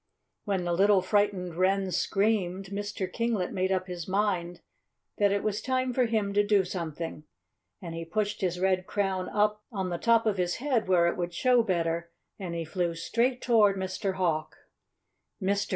When the little frightened wren screamed, Mr. Kinglet made up his mind that it was time for him to do something. And he pushed his red crown up on the top of his head where it would show better and he flew straight toward Mr. Hawk. Mr.